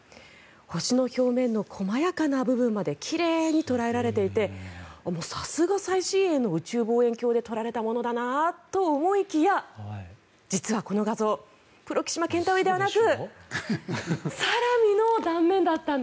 星の表面の細やかな部分まで奇麗に捉えられていてさすが最新鋭の宇宙望遠鏡で撮られたものだなと思いきや実はこの画像プロキシマ・ケンタウリではなく嘘でしょ？